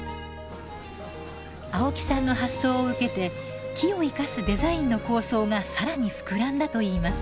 青木さんの発想を受けて木を生かすデザインの構想が更に膨らんだといいます。